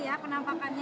ini ya penampakannya ya